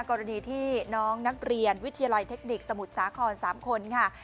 กรณีที่น้องนักเรียนวิทยาลัยเทคนิคสมุทรสาคร๓คนค่ะ